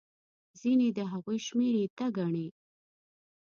ځینې د هغوی شمېر ایته ګڼي.